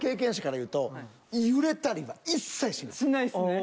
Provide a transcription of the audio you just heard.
しないっすね。